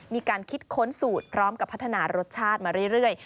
มีการคิดค้นสูตรพร้อมกับพัฒนารสชาติมาเรื่อย